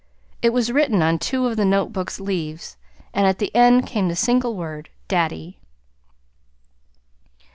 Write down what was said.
It was written on two of the notebook's leaves, and at the end came the single word "Daddy."